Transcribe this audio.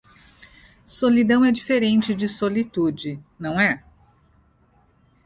Solidão é diferente de solitude, não é?